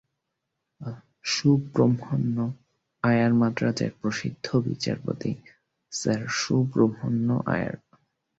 সুব্রহ্মণ্য আয়ার মান্দ্রাজের প্রসিদ্ধ বিচারপতি স্যর সুব্রহ্মণ্য আয়ার।